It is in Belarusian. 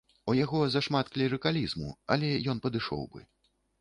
У яго зашмат клерыкалізму, але ён падышоў бы.